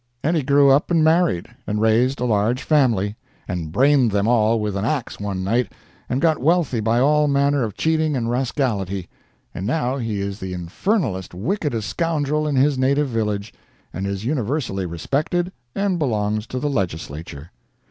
And he grew up and married, and raised a large family, and brained them all with an ax one night, and got wealthy by all manner of cheating and rascality; and now he is the infernalest wickedest scoundrel in his native village, and is universally respected, and belongs to the legislature.